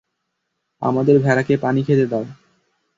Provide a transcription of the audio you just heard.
আমাদের ভেড়াকে পানি খেতে দাও।